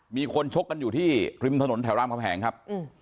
มีคนชกกันอยู่ที่ริมถนนแถวรามคำแหงครับ